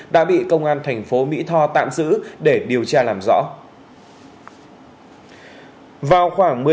đã bị công an thành phố mỹ tho tạm giữ để điều tra làm rõ